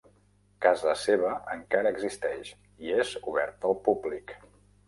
Casa seva encara existeix i és oberta al públic.